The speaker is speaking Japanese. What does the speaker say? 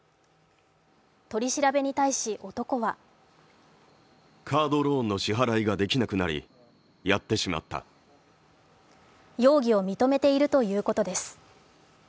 取り調べに対し男は容疑を認めているということです。